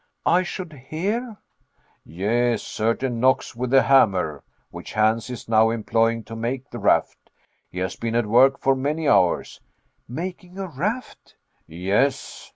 "I should hear?" "Yes certain knocks with the hammer, which Hans is now employing to make the raft. He has been at work for many hours." "Making a raft?" "Yes."